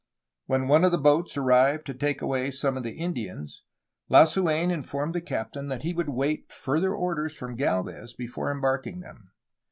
When one of the boats arrived to take away some of the Indians, Lasu^n informed the captain that he would await further orders from Galvez before embarking them.